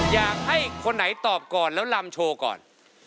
อยากให้คนไหนตอบก่อนแล้วลำโชว์ก่อน